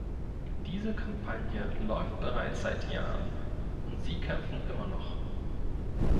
Diese Kampagne läuft bereits seit Jahren, und sie kämpfen immer noch.